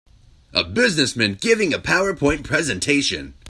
A businessman giving a powerpoint presentation.